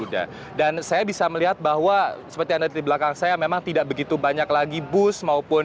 dan saya bisa melihat bahwa seperti yang ada di belakang saya memang tidak begitu banyak lagi bus